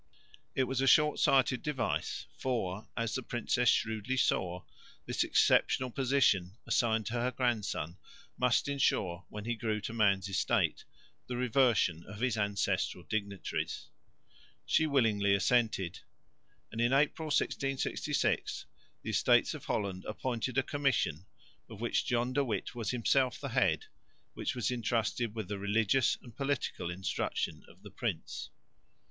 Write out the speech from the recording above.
It was a short sighted device for, as the princess shrewdly saw, this exceptional position assigned to her grandson must ensure, when he grew to man's estate, the reversion of his ancestral dignities. She willingly assented; and in April, 1666, the Estates of Holland appointed a Commission, of which John de Witt was himself the head, which was entrusted with the religious and political instruction of the prince.